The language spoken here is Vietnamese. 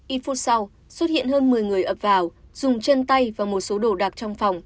ít phút sau xuất hiện hơn một mươi người ập vào dùng chân tay và một số đồ đạc trong phòng